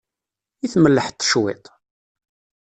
I tmellḥeḍ-t cwiṭ?